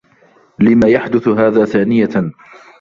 لمَ يحدث هذا ثانيةً؟